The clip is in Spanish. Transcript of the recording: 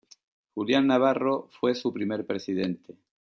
Julian Navarro fue su primer presidente.